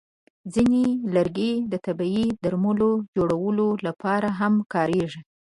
ځینې لرګي د طبیعي درملو جوړولو لپاره هم کارېږي.